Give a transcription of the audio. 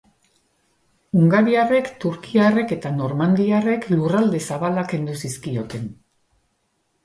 Hungariarrek, turkiarrek eta normandiarrek lurralde zabalak kendu zizkioten.